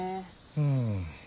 うん。